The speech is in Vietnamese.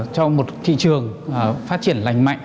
cho một thị trường phát triển lành mạnh